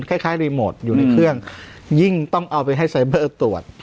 รีโมทอยู่ในเครื่องยิ่งต้องเอาไปให้ไซเบอร์ตรวจ